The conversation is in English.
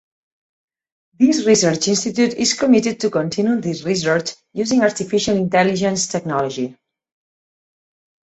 This research institute is committed to continuing this research using Artificial intelligence technology.